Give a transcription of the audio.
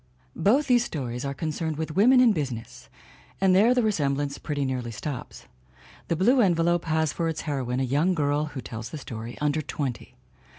Both these stories are concerned with women in busi ness and there the resemblance pretty nearly stops. The Blue Envelope has for its heroine a young girl (who tells the story) under twenty.